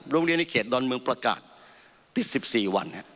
โรงเรียนในเขตดอนเมืองประกาศ๑๔วัน